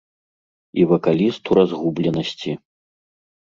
І вакаліст у разгубленасці.